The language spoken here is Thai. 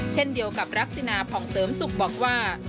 เช่นเดียวกับรักษณาผ่องเสริมสุขบอกว่า